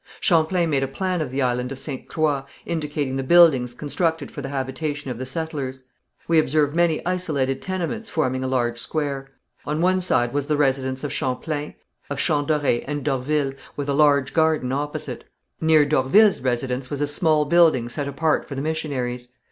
Champlain made a plan of the island of Ste. Croix, indicating the buildings constructed for the habitation of the settlers. We observe many isolated tenements forming a large square. On one side was the residence of Champlain, of Champdoré and d'Orville, with a large garden opposite. Near d'Orville's residence was a small building set apart for the missionaries.